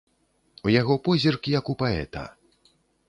У яго позірк, як у паэта.